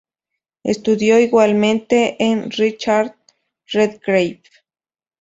Estudió igualmente con Richard Redgrave.